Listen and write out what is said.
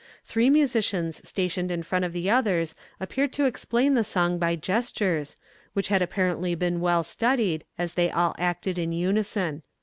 Three musicians stationed in front of the others appeared to explain the song by gestures, which had apparently been well studied, as they all acted in unison.